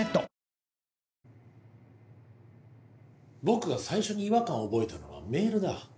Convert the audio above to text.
僕が最初に違和感を覚えたのはメールだ。